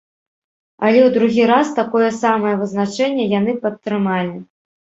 Але ў другі раз такое самае вызначэнне яны падтрымалі.